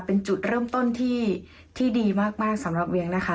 เป็นจุดเริ่มต้นที่ดีมากสำหรับเวียงนะคะ